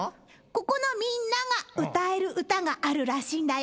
ここのみんなが歌える歌があるらしいんだよ。